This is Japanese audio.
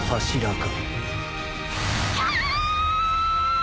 か